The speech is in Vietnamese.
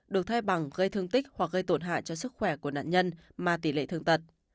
được thay bằng gây thương tích hoặc gây tổn hại cho sức khỏe của nạn nhân mà tỷ lệ thương tật